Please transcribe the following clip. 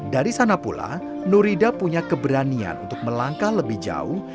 dari sana pula nurida punya keberanian untuk melangkah lebih jauh